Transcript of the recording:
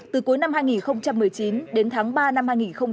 từ cuối năm hai nghìn một mươi chín đến tháng ba năm hai nghìn hai mươi